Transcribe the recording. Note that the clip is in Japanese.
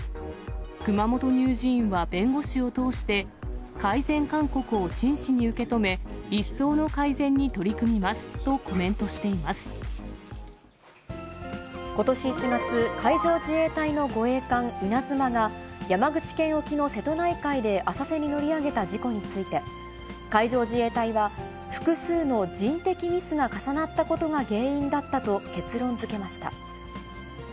熊本乳児院は弁護士を通して、改善勧告を真摯に受け止め、一層の改善に取り組みますとコメことし１月、海上自衛隊の護衛艦いなづまが、山口県沖の瀬戸内海で浅瀬に乗り上げた事故について、海上自衛隊は、複数の人的ミスが重なったことが原因だったと結論づけました。